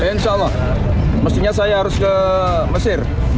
ya insya allah mestinya saya harus ke mesir